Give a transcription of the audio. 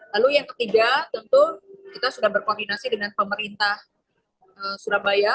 lalu yang ketiga tentu kita sudah berkoordinasi dengan pemerintah surabaya